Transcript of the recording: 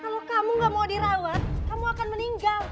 kalau kamu gak mau dirawat kamu akan meninggal